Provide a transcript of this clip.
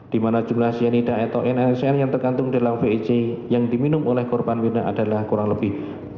di mana jumlah cyanidae atau nsn yang terkandung dalam vhc yang diminum oleh korban winda adalah kurang lebih